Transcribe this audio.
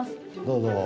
どうぞ。